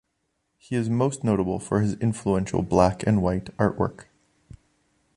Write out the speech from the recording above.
He is most notable for his influential black-and-white artwork.